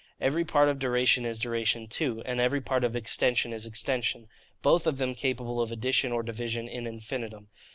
Every part of duration is duration too; and every part of extension is extension, both of them capable of addition or division in infinitum.